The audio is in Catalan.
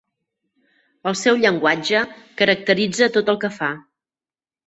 El seu llenguatge caracteritza tot el que fa.